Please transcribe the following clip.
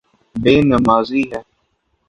یے نمازی ہے